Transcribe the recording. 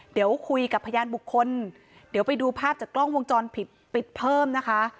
เดี๋ยวคุยกับพยานบุคคลเดี๋ยวไปดูภาพจากกล้องวงจรปิดปิดเพิ่มนะคะ